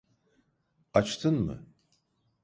Açtın mı?